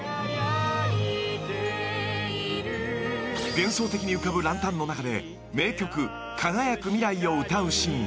［幻想的に浮かぶランタンの中で名曲『輝く未来』を歌うシーン］